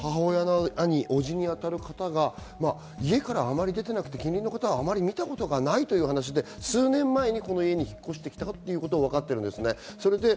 近隣の方の情報だと母の兄・叔父に当たる方が家からあまり出てなくて、近隣の方はあまり見たことがないと話していて、数年前にこの家に引っ越してきたということがわかってるんですね。